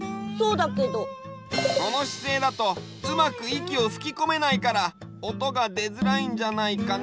そのしせいだとうまくいきをふきこめないからおとがでづらいんじゃないかな？